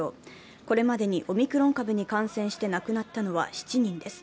これまでにオミクロン株に感染して亡くなったのは７人です。